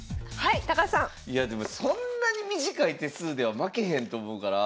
いやでもそんなに短い手数では負けへんと思うから。